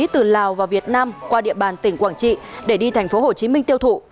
từ lào và việt nam qua địa bàn tỉnh quảng trị để đi tp hcm tiêu thụ